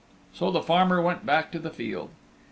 So the farmer went back to the field.